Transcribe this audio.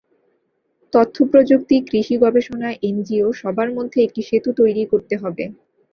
তথ্যপ্রযুক্তি, কৃষি গবেষণা, এনজিও সবার মধ্যে একটি সেতু তৈরি করতে হবে।